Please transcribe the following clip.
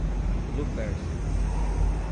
Lupércio